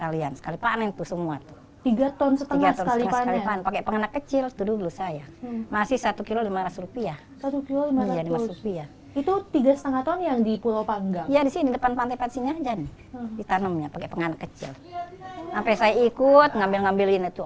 waktu rame waktu panen subur saya merasakan panen tiga lima ton sekalian